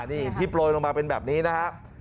นี่ที่โปรยลงมาเป็นแบบนี้นะครับ